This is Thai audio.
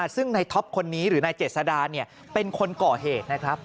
ซึ่งในท็อปคนนี้หรือนายเจษดาเป็นคนก่อเหตุนะครับ